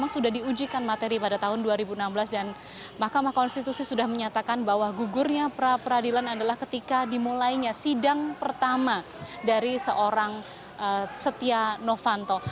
sudah diujikan materi pada tahun dua ribu enam belas dan mahkamah konstitusi sudah menyatakan bahwa gugurnya pra peradilan adalah ketika dimulainya sidang pertama dari seorang setia novanto